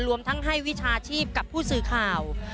รวมทั้งให้วิชาชีพกับผู้สื่อข่าว